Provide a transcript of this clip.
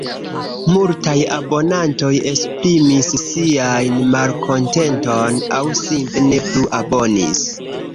Multaj abonantoj esprimis sian malkontenton – aŭ simple ne plu abonis.